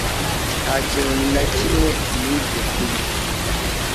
Nta kintu nawe kimwe nibye kuri .